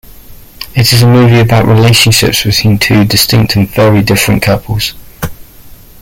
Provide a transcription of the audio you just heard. It is a movie about relationships between two distinct and very different couples.